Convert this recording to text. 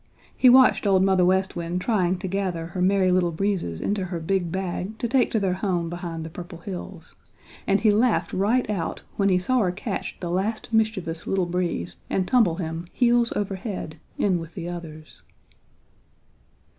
He watched Old Mother West Wind trying to gather her Merry Little Breezes into her big bag to take to their home behind the Purple Hills, and he laughed right out when he saw her catch the last mischievous Little Breeze and tumble him, heels over head, in with the others.